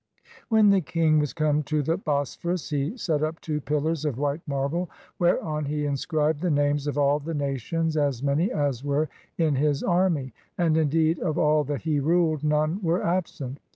When the king was come to the Bosphorus he set up two pillars of white marble, whereon he inscribed the names of all the nations as many as were in his army; and indeed of all that he ruled none were absent.